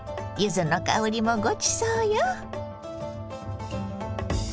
柚子の香りもごちそうよ。